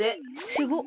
すごっ！